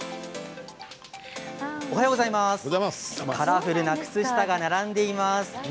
カラフルな靴下が並んでいます。